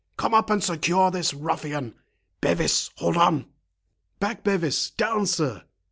come up and secure this ruffian.—Bevis, hold on!" "Back, Bevis; down, sir!"